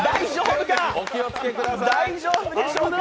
大丈夫でしょうか。